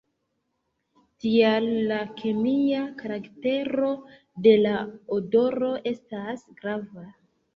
Tial la kemia karaktero de la odoro estas grava.